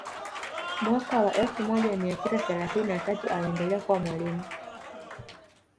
Mwaka wa elfu moja mia tisa thelathinni na tatu aliendelea kuwa mwalimu